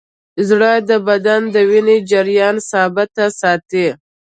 زړه د بدن د وینې جریان ثابت ساتي.